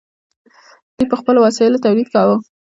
دوی په خپلو وسایلو تولید کاوه.